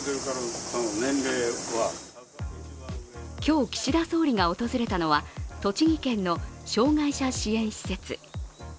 今日、岸田総理が訪れたのは栃木県の障害者支援施設。